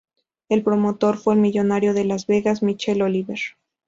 El promotor fue el millonario de Las Vegas Michael Oliver.